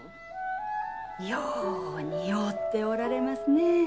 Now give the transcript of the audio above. よう似合うておられますね。